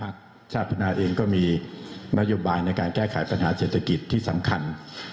ชาติพัฒนาเองก็มีนโยบายในการแก้ไขปัญหาเศรษฐกิจที่สำคัญ